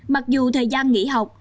mặc dù thời gian nghỉ học